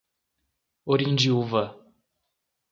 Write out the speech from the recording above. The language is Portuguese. Orindiúva